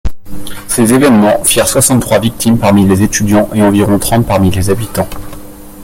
Ces événements firent soixante-trois victimes parmi les étudiants et environ trente parmi les habitants.